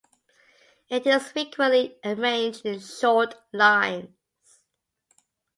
It is frequently arranged in short lines.